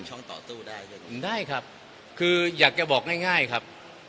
ช้องต่อตู้ได้ได้ครับคืออยากจะบอกง่ายง่ายครับ